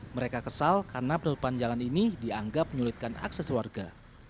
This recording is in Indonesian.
mereka kesal karena penutupan jalan ini dianggap menyulitkan akses warga